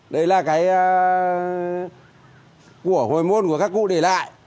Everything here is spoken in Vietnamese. đấy là cái của hồi môn của các cụ để lại